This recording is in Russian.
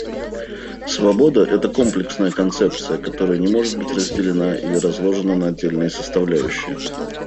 Свобода — это комплексная концепция, которая не может быть разделена или разложена на отдельные составляющие.